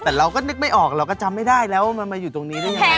แต่เราก็นึกไม่ออกเราก็จำไม่ได้แล้วว่ามันมาอยู่ตรงนี้ได้ยังไง